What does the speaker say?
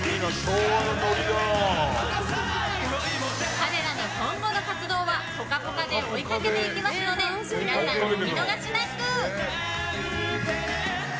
彼らの今後の活動は「ぽかぽか」で追いかけていきますので皆さん、お見逃しなく！